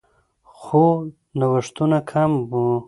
خو نوښتونه کم وو